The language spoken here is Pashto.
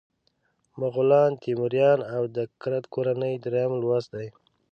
مغولان، تیموریان او د کرت کورنۍ دریم لوست دی.